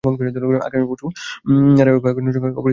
আগামী পরশু রায়ো ভায়েকানোর সঙ্গে অপরাজিত থাকলেই নতুন রেকর্ড হয়ে যাবে।